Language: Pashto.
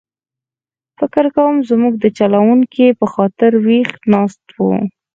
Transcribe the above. فکر کووم زموږ د چلوونکي په خاطر ویښ ناست و.